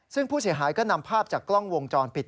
ซึ่งผู้เสียหายก็นำภาพจากกล้องวงจรปิด